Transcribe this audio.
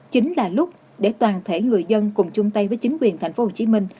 chính là lúc để toàn thể người dân cùng chung tay với chính quyền tp hcm